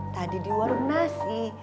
tadi di warung nasi